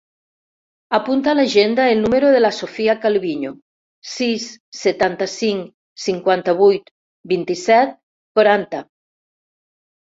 Apunta a l'agenda el número de la Sofía Calviño: sis, setanta-cinc, cinquanta-vuit, vint-i-set, quaranta.